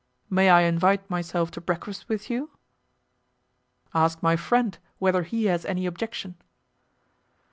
"May I invite myself to breakfast with you?" "Ask my friend whether he has any objection."